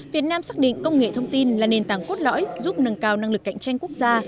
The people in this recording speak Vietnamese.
việt nam xác định công nghệ thông tin là nền tảng cốt lõi giúp nâng cao năng lực cạnh tranh quốc gia